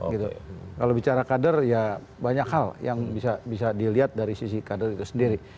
kalau bicara kader ya banyak hal yang bisa dilihat dari sisi kader itu sendiri